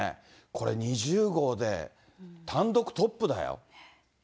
これ、２０号で単独トップだよ。